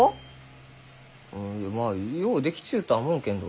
まあよう出来ちゅうとは思うけんど。